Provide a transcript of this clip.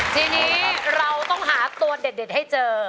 ทีนี้เราต้องหาตัวเด็ดให้เจอ